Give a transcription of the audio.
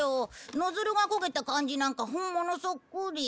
ノズルが焦げた感じなんか本物そっくり。